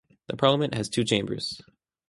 The Parliament has two chambers.